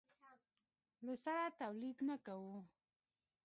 له سره تولید نه کوو.